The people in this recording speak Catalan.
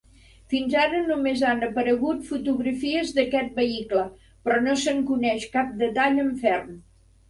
Fins ara només han aparegut fotografies d'aquest vehicle, però no se'n coneix cap detall en ferm.